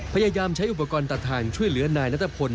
พยายามใช้อุปกรณ์ตัดทางช่วยเหลือนายนัทพล